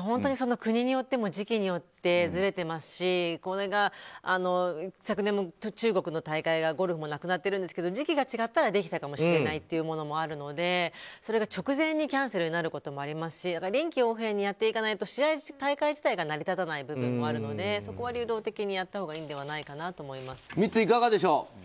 本当に国によっても時期によってもずれていますし昨年も中国の大会がゴルフもなくなってるんですけど時期が違ったらできたかもしれないというものもあるのでそれが直前にキャンセルになることもありますし臨機応変にやっていかないと大会自体が成り立たない部分もありますのでそこは流動的にやったほうがいいんではないかなと思います。